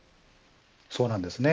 そうなんですね。